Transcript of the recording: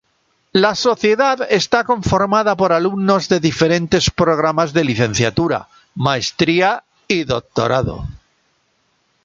La sociedad esta conformada por alumnos de diferentes programas de licenciatura, maestría y doctorado.